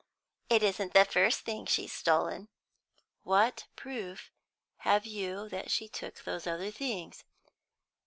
"It isn't the first thing she's stolen." "What proof have you that she took those other things?"